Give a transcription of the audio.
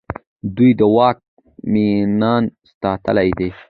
دوی د واک مينان ستايلي دي.